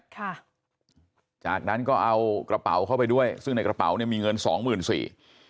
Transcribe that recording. ค่ะจากนั้นก็เอากระเป๋าเข้าไปด้วยซึ่งในกระเป๋าเนี่ยมีเงินสองหมื่นสี่